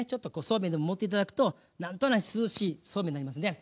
そうめんでも盛って頂くと何となし涼しいそうめんになりますね。